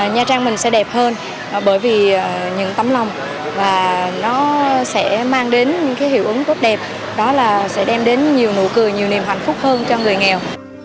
nha trang mình sẽ đẹp hơn bởi vì những tấm lòng và nó sẽ mang đến những hiệu ứng tốt đẹp đó là sẽ đem đến nhiều nụ cười nhiều niềm hạnh phúc hơn cho người nghèo